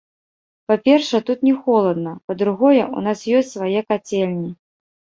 Па-першае, тут не холадна, па-другое, у нас ёсць свае кацельні.